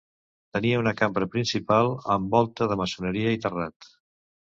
Tenia una cambra principal amb volta de maçoneria i terrat.